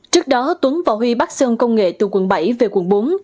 trước đó tuấn và huy bắt sơn công nghệ từ quận bảy về quận bốn